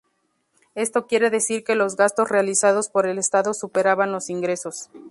Esto quiere decir que los gastos realizados por el Estado superaban los ingresos.